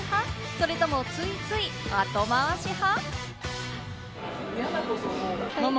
それとも、ついつい後回し派？